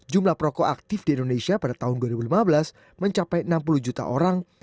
jumlah perokok aktif di indonesia pada tahun dua ribu lima belas mencapai enam puluh juta orang